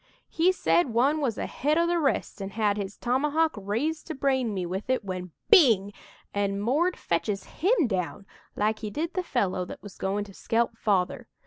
"He said one was ahead o' the rest an' had his tomahawk raised to brain me with it when bing! an' 'Mord' fetches him down like he did the fellow that was goin' to skelp Father.